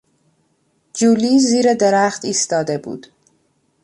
جولی زیر درخت ایستاده بود.